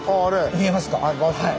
見えますか。